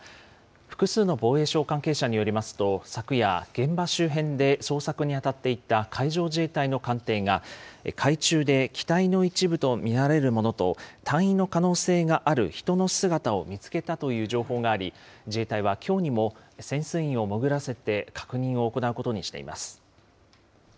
複数の防衛省関係者によりますと、昨夜、現場周辺で捜索に当たっていた海上自衛隊の艦艇が、海中で機体の一部と見られるものと、隊員の可能性がある人の姿を見つけたという情報があり、自衛隊はきょうにも潜水員を潜らせて確認を行うことにしています。